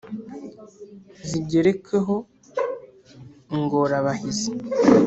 Zigerekeho ingorabahizi